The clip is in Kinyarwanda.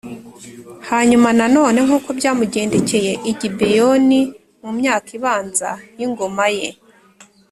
hanyuma nanone nk’uko byamugendekeye i gibeyoni mu myaka ibanza y’ingoma ye